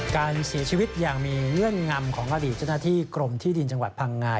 การเสียชีวิตยังมีเรื่องงำของราฬิจนาธิกรมที่ดินจังหวัดพังงาย